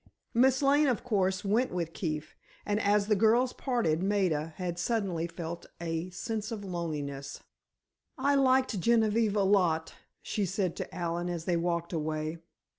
Miss Lane, of course, went with Keefe, and as the girls parted Maida had suddenly felt a sense of loneliness. "I liked Genevieve a lot," she said to Allen, as they walked away.